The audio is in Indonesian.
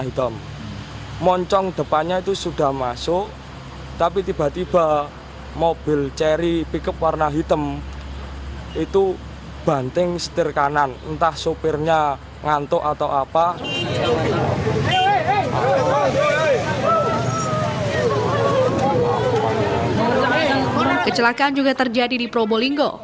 kecelakaan juga terjadi di probolinggo